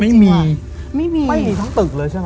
ไม่มีไม่มีทั้งตึกเลยใช่ไหม